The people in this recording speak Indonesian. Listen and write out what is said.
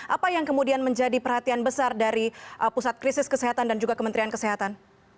apa yang kemudian menjadi perhatian besar dari pusat krisis kesehatan dan juga kementerian kesehatan